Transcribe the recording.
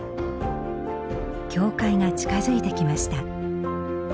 教会が近づいてきました。